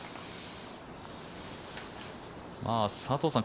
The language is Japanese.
佐藤さん